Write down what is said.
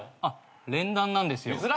あっ連弾なんですよ。